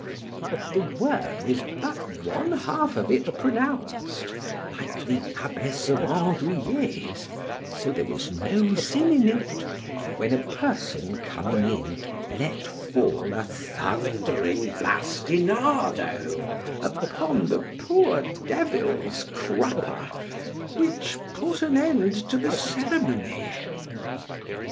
The word was but one half of it pronounced, like the abbess of Andoüillet's—(so there was no sin in it)—when a person coming in, let fall a thundering bastinado upon the poor devil's crupper, which put an end to the ceremony.